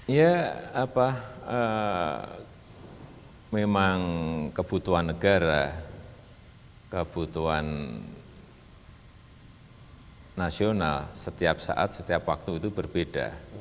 ya apa memang kebutuhan negara kebutuhan nasional setiap saat setiap waktu itu berbeda